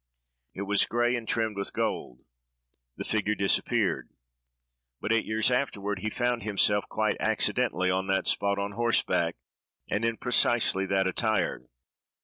It was gray, and trimmed with gold. The figure disappeared; but eight years afterward he found himself, quite accidentally, on that spot, on horseback, and in precisely that attire.